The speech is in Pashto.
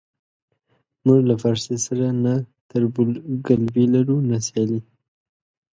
موږ له پارسي سره نه تربورګلوي لرو نه سیالي.